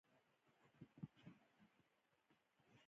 عمان د سکون او ادب هېواد دی.